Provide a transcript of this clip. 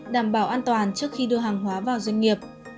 đảm bảo an toàn trước khi đưa hàng hóa vào doanh nghiệp